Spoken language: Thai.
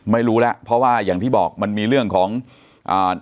ไม่รู้แล้วเพราะว่าอย่างที่บอกมันมีเรื่องของอ่า